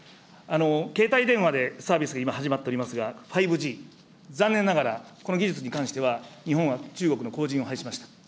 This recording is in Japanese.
携帯電話でサービスが今始まっておりますが、５Ｇ、残念ながら、この技術に関しては、日本は中国の後じんを拝しました。